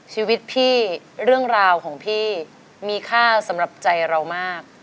ชีวิตพี่เรื่องราวของพี่มีค่าสำหรับใจเรามาก